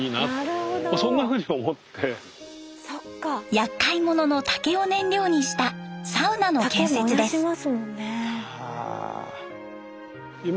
やっかいものの竹を燃料にしたサウナの建設です。